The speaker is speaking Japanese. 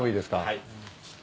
はい。